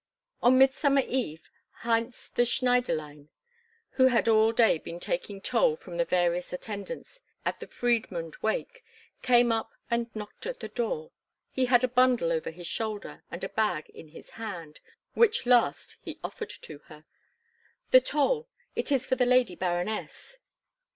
On Midsummer eve, Heinz the Schneiderlein, who had all day been taking toll from the various attendants at the Friedmund Wake, came up and knocked at the door. He had a bundle over his shoulder and a bag in his hand, which last he offered to her. "The toll! It is for the Lady Baroness."